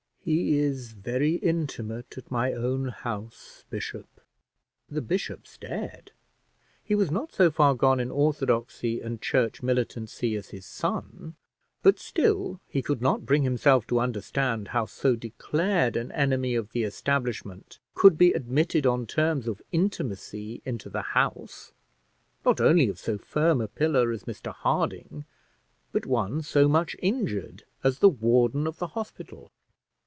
"He is very intimate at my own house, bishop." The bishop stared. He was not so far gone in orthodoxy and church militancy as his son, but still he could not bring himself to understand how so declared an enemy of the establishment could be admitted on terms of intimacy into the house, not only of so firm a pillar as Mr Harding, but one so much injured as the warden of the hospital.